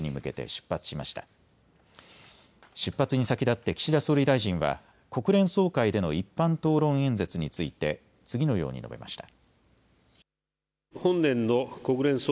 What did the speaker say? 出発に先立って岸田総理大臣は国連総会での一般討論演説について次のように述べました。